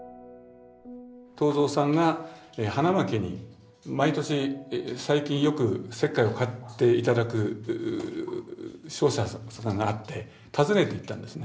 東蔵さんが花巻に毎年最近よく石灰を買って頂く商社さんがあって訪ねていったんですね。